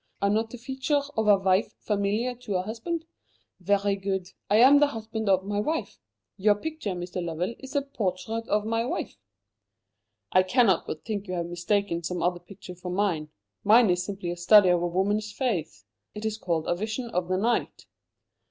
Are not the features of a wife familiar to a husband? Very good. I am the husband of my wife. Your picture, Mr. Lovell, is a portrait of my wife." "I cannot but think you have mistaken some other picture for mine. Mine is a simple study of a woman's face. It is called 'A Vision of the Night.'"